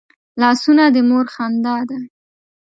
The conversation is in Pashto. لاسونه د مور خندا ده